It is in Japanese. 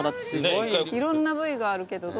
いろんな部位があるけど。